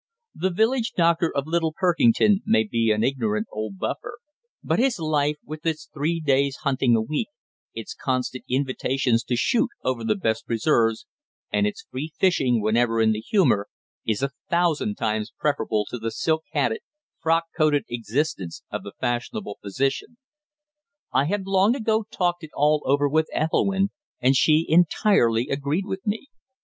The village doctor of Little Perkington may be an ignorant old buffer; but his life, with its three days' hunting a week, its constant invitations to shoot over the best preserves, and its free fishing whenever in the humour, is a thousand times preferable to the silk hatted, frock coated existence of the fashionable physician. I had long ago talked it all over with Ethelwynn, and she entirely agreed with me.